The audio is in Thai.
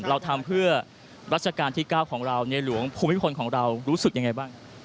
เราทำเพื่อรัชกาลที่๙ของเราในหลวงภูมิพลของเรารู้สึกยังไงบ้าง